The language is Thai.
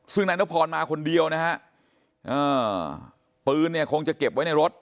ซึ่งนายนพรมาคนเดียวนะฮะปืนเนี่ยคงจะเก็บไว้ในรถ